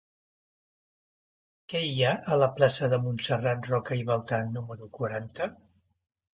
Què hi ha a la plaça de Montserrat Roca i Baltà número quaranta?